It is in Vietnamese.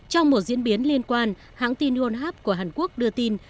trong một diễn biến liên quan hãng tin unhap của hàn quốc đưa tin